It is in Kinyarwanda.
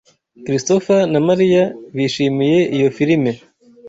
Christopher na Mariya bishimiye iyo filime.